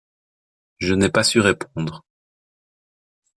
Je n’ai pas su répondre.